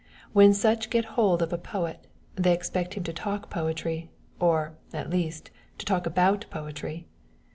When such get hold of a poet, they expect him to talk poetry, or, at least, to talk about poetry!